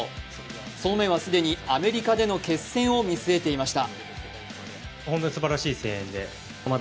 その目は既にアメリカでの決戦を見据えていました。